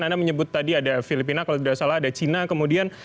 anda menyebut tadi ada filipina kalau tidak salah ada cina kemudian